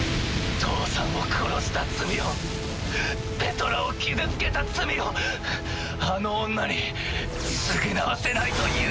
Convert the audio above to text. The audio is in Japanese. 父さんを殺した罪をペトラを傷つけた罪をあの女に償わせないというなら。